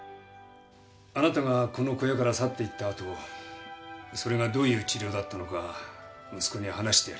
あなたがこの小屋から去っていった後それがどういう治療だったのか息子に話してやりました。